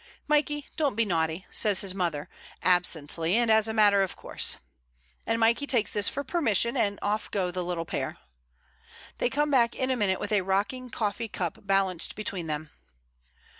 "Mikey, don't be naughty," says his mother, ab sently and as a matter of course; and Mikey takes this for permission, and off go the little pair. They came back in a minute, with a rocking coffee cup balanced between them.